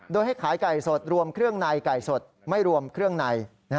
โดยให้ขายไก่สดรวมเครื่องในไก่สดไม่รวมเครื่องใน